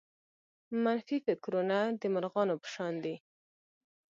منفي فکرونه د مرغانو په شان دي.